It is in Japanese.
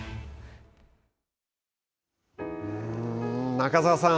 中澤さん